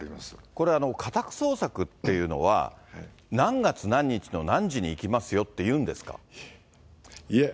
これ、家宅捜索というのは、何月何日の何時に行きますよって言うんですか。